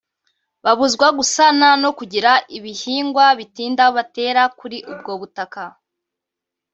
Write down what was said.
babuzwa gusana no kugira ibihingwa bitinda batera kuri ubwo butaka